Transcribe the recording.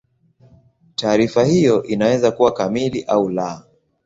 Taarifa hiyo inaweza kuwa kamili au la.